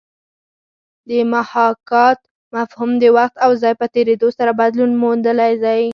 د محاکات مفهوم د وخت او ځای په تېرېدو سره بدلون موندلی دی